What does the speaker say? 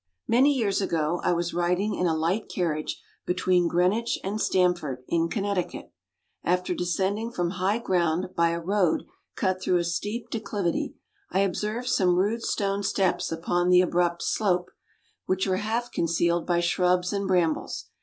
Many years ago I was riding in a light carriage between Greenwich and Stamford, in Connecticut. After descending from high ground by a road cut through a steep declivity, I observed some rude stone steps upon the abrupt slope, which were half concealed by shrubs and brambles.